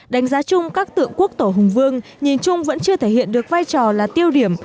đánh giá chung các tượng quốc tổ hùng vương nhìn chung vẫn chưa thể hiện được vai trò là tiêu điểm